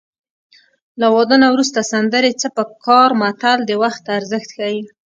له واده نه وروسته سندرې څه په کار متل د وخت ارزښت ښيي